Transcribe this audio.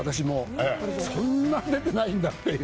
そんなに出てないんだっていう。